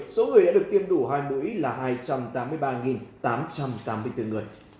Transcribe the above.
số người đã được tiêm đủ hai mũi là hai trăm tám mươi ba tám trăm tám mươi bốn người